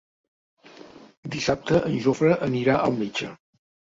Dissabte en Jofre anirà al metge.